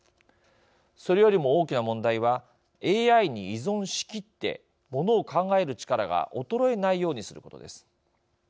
それよりも大きな問題はＡＩに依存しきってものを考える力が衰えないようにすることです。